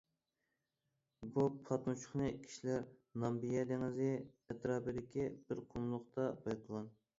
بۇ پاتمىچۇقنى كىشىلەر نامىبىيە دېڭىز ئەتراپىدىكى بىر قۇملۇقتا بايقىغان.